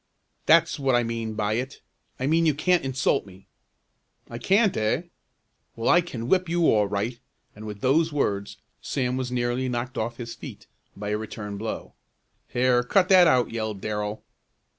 "That's what I mean by it. I mean you can't insult me!" "I can't, eh? Well, I can whip you all right," and with those words Sam was nearly knocked off his feet by a return blow. "Here, cut that out!" yelled Darrell.